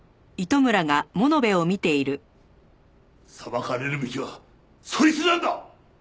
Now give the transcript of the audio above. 裁かれるべきはそいつなんだ！